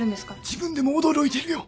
自分でも驚いてるよ。